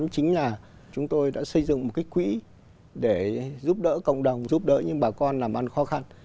chính là chúng tôi đã xây dựng một quỹ để giúp đỡ cộng đồng giúp đỡ những bà con làm ăn khó khăn